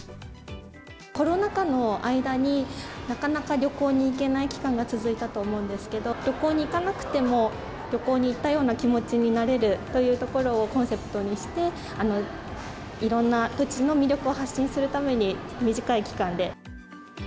コロナ禍の間に、なかなか旅行に行けない期間が続いたと思うんですけれども、旅行に行かなくても、旅行に行ったような気持ちになれるというところをコンセプトにして、いろんな土地の魅力を発信するために、短い期間で。